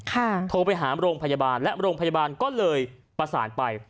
โทรไปหาโรงพยาบาลและโรงพยาบาลก็เลยประสานไป